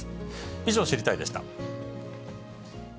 以上、知りたいッ！でした。